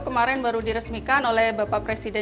kemarin baru diresmikan oleh bapak presiden